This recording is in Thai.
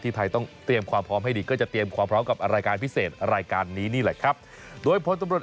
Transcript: ที่ไทยต้องเตรียมความพร้อมให้ดีก็จะเตรียมความพร้อม